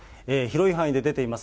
広い範囲で出ています。